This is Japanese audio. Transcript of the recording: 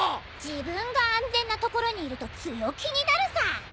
自分が安全なところにいると強気になるさ。